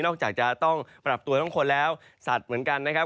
จากจะต้องปรับตัวต้องคนแล้วสัตว์เหมือนกันนะครับ